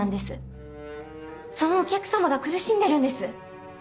そのお客様が苦しんでるんです。